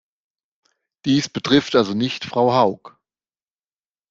Dies betrifft also nicht Frau Haug.